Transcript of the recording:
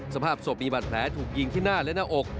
สภาพศพมีบาดแผลถูกยิงที่หน้าและหน้าอก